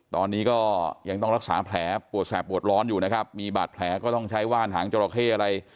ตอนนี้ก็ยังต้องรักษาแผลปวดแสบปวดร้อนอยู่นะครับมีบาดแผลก็ต้องใช้ว่านหางจราเข้อะไร